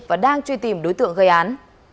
và đang truy tìm đối tượng gây án